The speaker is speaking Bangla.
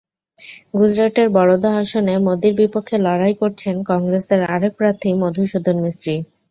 গুজরাটের বরোদা আসনে মোদির বিপক্ষে লড়াই করছেন কংগ্রেসের আরেক প্রার্থী মধুসূদন মিস্ত্রি।